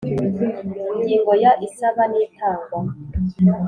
Ingingo ya Isaba n itangwa